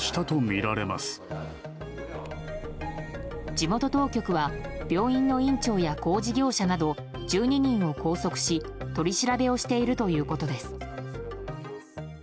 地元当局は、病院の院長や工事業者など１２人を拘束し取り調べをしているということです。